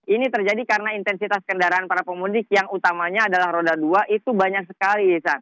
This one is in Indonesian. ini terjadi karena intensitas kendaraan para pemudik yang utamanya adalah roda dua itu banyak sekali